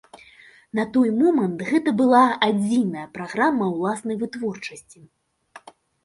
На той момант гэта была адзіная праграма ўласнай вытворчасці.